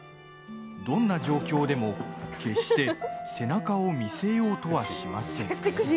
どんな状況でも決して背中を見せようとはしません。